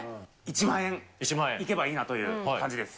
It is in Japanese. １万円いけばいいなという感じです。